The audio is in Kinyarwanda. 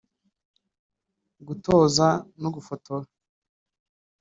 gutoza no gufotora